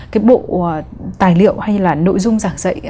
cái bộ tài liệu hay là nội dung giảng dạy